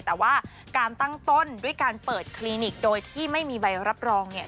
แต่ว่าการตั้งต้นด้วยการเปิดคลินิกโดยที่ไม่มีใบรับรองเนี่ย